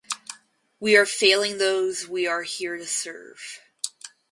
We are failing those we are here to serve.